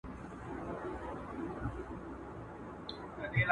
ډاکټر زیار زیاتوي چي مخینه لیدل پکار دي.